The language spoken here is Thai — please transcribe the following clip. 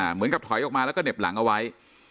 เหมือนกับถอยออกมาแล้วก็เหน็บหลังเอาไว้